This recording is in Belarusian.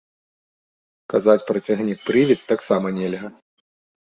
Казаць пра цягнік-прывід таксама нельга.